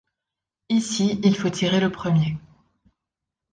Ici il faut tirer le premier.